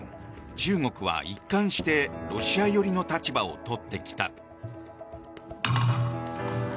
中国は一貫してロシア寄りの立場を取ってきた。